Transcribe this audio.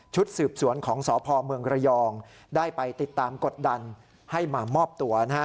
สืบสวนของสพเมืองระยองได้ไปติดตามกดดันให้มามอบตัวนะฮะ